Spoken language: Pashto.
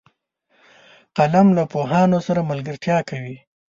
قلم له پوهانو سره ملګرتیا کوي